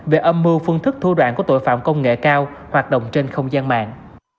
về âm mưu phương thức thua đoạn của tội phạm công nghệ cao hoạt động trên không gian mạng